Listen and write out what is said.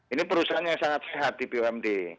ini perusahaan yang sangat sehat di bumd